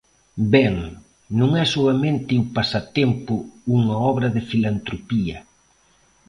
Ben, non é soamente O Pasatempo unha obra de filantropía.